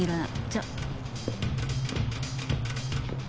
じゃあ。